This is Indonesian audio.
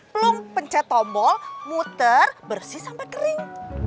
plung pencet tombol muter bersih sampai kering